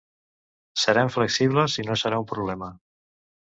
Serem flexibles i no serà un problema.